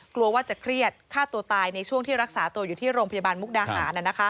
กลัวว่าจะเครียดฆ่าตัวตายในช่วงที่รักษาตัวอยู่ที่โรงพยาบาลมุกดาหาร